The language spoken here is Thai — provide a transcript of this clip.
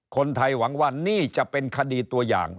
คนไทยหวังว่านี่จะเป็นคดีตัวอย่าง